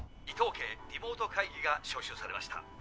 伊藤家リモート会議が招集されました。